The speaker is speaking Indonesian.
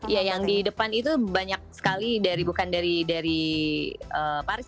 ya yang di depan itu banyak sekali bukan dari paris